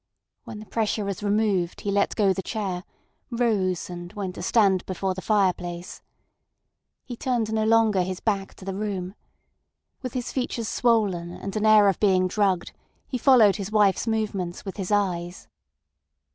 When the pressure was removed he let go the chair, rose, and went to stand before the fireplace. He turned no longer his back to the room. With his features swollen and an air of being drugged, he followed his wife's movements with his eyes.